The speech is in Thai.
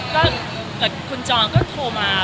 แต่คุณจอห์นก็โทรมา